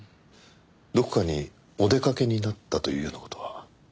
どこかにお出かけになったというような事は？